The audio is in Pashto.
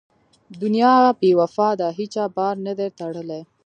دنیا بې وفا ده هېچا بار نه دی تړلی.